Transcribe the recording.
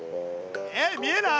えっ見えない？